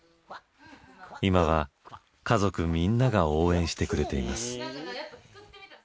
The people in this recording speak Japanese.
今は家族みんなが応援してくれています。